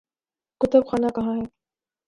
کتب خانہ کہاں ہے؟